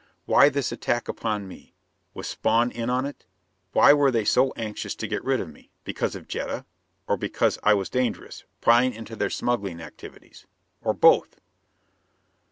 Why this attack upon me? Was Spawn in on it? Why were they so anxious to get rid of me? Because of Jetta? Or because I was dangerous, prying into their smuggling activities. Or both?